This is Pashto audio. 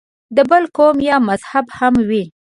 د بل قوم یا مذهب هم وي.